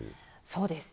そうです。